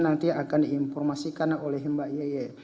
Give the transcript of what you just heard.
nanti akan diinformasikan oleh mbak yeye